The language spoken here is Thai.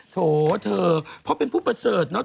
โถเธอเพราะเป็นผู้เบอร์เสิร์ฟเนาะ